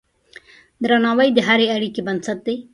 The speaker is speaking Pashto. درناوی د هرې اړیکې بنسټ دی.